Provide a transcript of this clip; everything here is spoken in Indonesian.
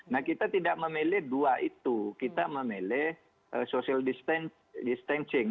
nah kita tidak memilih dua itu kita memilih social distancing